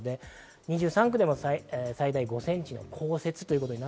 ２３区でも最大５センチの降雪。